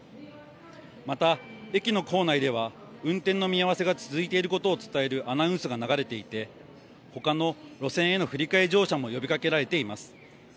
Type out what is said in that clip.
また、駅の構内では、運転の見合わせが続いていることを伝えるアナウンスが流れていて、ほかの路線への振り替え乗車も呼びかけられています。